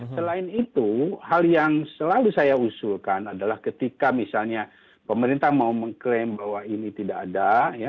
selain itu hal yang selalu saya usulkan adalah ketika misalnya pemerintah mau mengklaim bahwa ini tidak ada